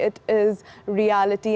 ini adalah realitinya